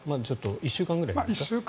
１週間ぐらいですか？